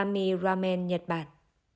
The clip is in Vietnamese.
mì ramen nhật bản